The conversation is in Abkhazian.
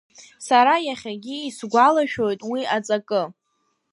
Сара иахьагьы исгәалашәоит уи аҵакы…